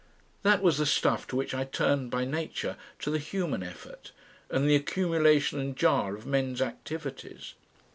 That was the stuff to which I turned by nature, to the human effort, and the accumulation and jar of men's activities.